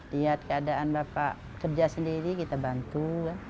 lihat keadaan bapak kerja sendiri kita bantu